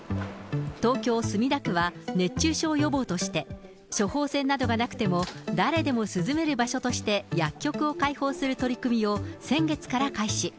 東京・墨田区は、熱中症予防として、処方箋などがなくても、誰でも涼める場所として薬局を開放する取り組みを先月から開始。